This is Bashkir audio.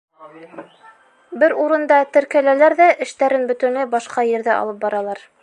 Бер урында теркәләләр ҙә эштәрен бөтөнләй башҡа ерҙә алып баралар.